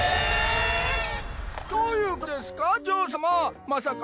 どういうことですか？